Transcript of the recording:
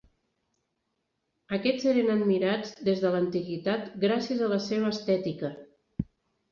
Aquests eren admirats des de l'antiguitat gràcies a la seva estètica.